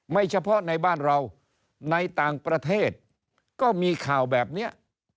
เฉพาะในบ้านเราในต่างประเทศก็มีข่าวแบบนี้